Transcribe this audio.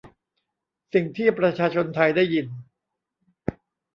สิ่งที่ประชาชนไทยได้ยิน